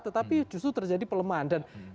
tetapi justru terjadi pelemahan